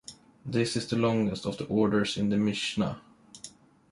This is the longest of the orders in the Mishnah.